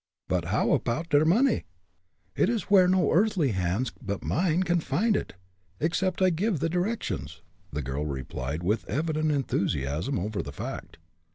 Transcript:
But, how apoud der money?" "It is where no earthly hands but mine can find it, except I give the directions!" the girl replied, with evident enthusiasm over the fact.